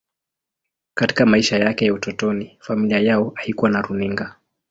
Katika maisha yake ya utotoni, familia yao haikuwa na runinga.